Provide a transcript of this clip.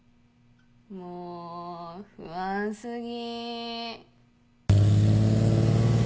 もう不安過ぎ。